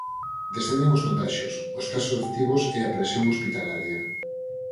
Descenden os contaxios, os casos activos e a presión hospitalaria.